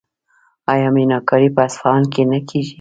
آیا میناکاري په اصفهان کې نه کیږي؟